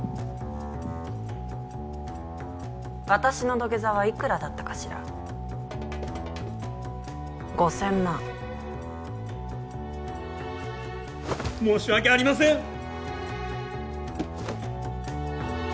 私の土下座はいくらだったかしら５０００万申し訳ありません！